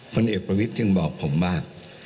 ผลเอกประวิทย์จึงบอกผมว่า